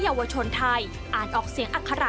เยาวชนไทยอ่านออกเสียงอัคระ